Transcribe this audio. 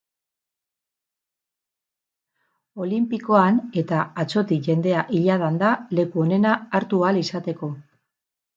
Olinpikoan eta atzotik jendea iladan da leku onena hartu ahal izateko.